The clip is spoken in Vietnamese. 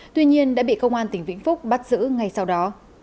tuy nhiên đã bị công an tỉnh vĩnh phúc bắt giữ ngay sau đó